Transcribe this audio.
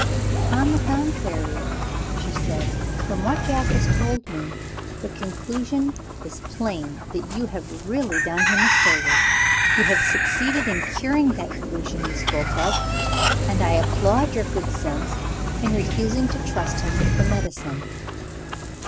"On the contrary," she said, "from what Jack has told me, the conclusion is plain that you have really done him a service. You have succeeded in curing that delusion you spoke of and I applaud your good sense in refusing to trust him with the medicine."